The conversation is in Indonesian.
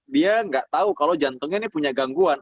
dia nggak tahu kalau jantungnya ini punya gangguan